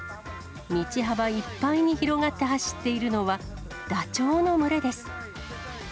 道幅いっぱいに広がって走っているのは、ダチョウの群れです。